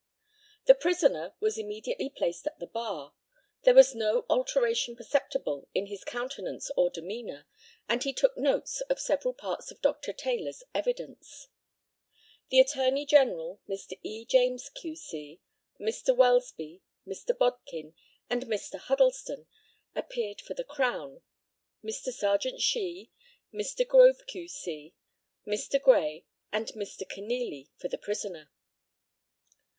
The prisoner was immediately placed at the bar. There was no alteration perceptible in his countenance or demeanour, and he took notes of several parts of Dr. Taylor's evidence. The Attorney General, Mr. E. James, Q.C., Mr. Welsby, Mr. Bodkin, and Mr. Huddleston, appeared for the Crown; Mr. Serjeant Shee, Mr. Grove, Q.C., Mr. Gray, and Mr. Kenealy, for the prisoner.